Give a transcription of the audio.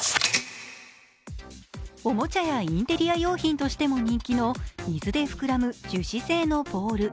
おもちゃやインテリア用品としても人気の水で膨らむ樹脂製のボール。